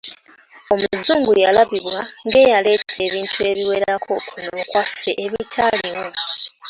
Omuzungu yalabibwa ng’eyaleeta ebintu ebiwerako kuno okwaffe ebitaaliwo.